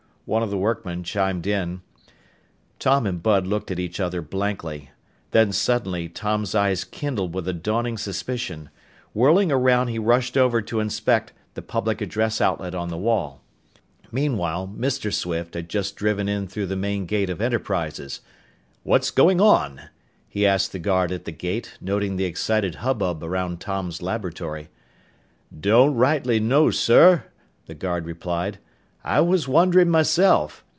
one of the workmen chimed in. Tom and Bud looked at each other blankly. Then suddenly Tom's eyes kindled with a dawning suspicion. Whirling around, he rushed over to inspect the public address outlet on the wall. Meanwhile, Mr. Swift had just driven in through the main gate of Enterprises. "What's going on?" he asked the guard at the gate, noting the excited hubbub around Tom's laboratory. "Don't rightly know, sir," the guard replied. "I was wondering myself.